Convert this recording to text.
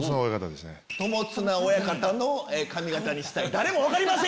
友綱親方の髪形にしたい。